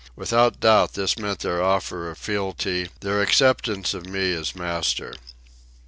Without doubt this meant their offer of fealty, their acceptance of me as master.